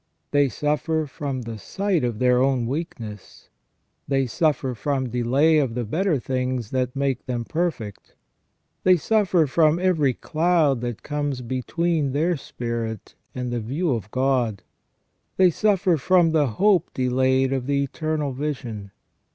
They suffer from the sight of their own weakness. They suffer from delay of the better things that make them perfect. They suffer from every cloud that comes between their spirit and the view of God. They suff'er from the hope delayed of the eternal vision.